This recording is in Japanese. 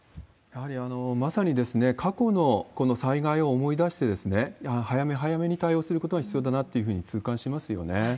やはり、まさに過去のこの災害を思い出して、早め早めに対応することが必要だなっていうふうに痛感しますよね。